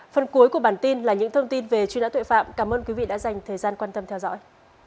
phần cuối của bản tin là những thông tin về chuyên án tuệ phạm cảm ơn quý vị đã dành thời gian quan tâm theo dõi